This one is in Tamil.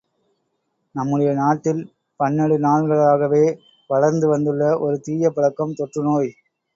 நம்முடைய நாட்டில் பன்னெடு நாள்களாகவே வளர்ந்து வந்துள்ள ஒரு தீய பழக்கம் தொற்றுநோய்.